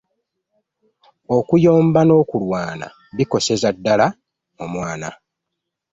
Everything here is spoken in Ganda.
Okuyomba n'okulwana bikoseza ddala omwana.